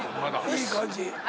いい感じ。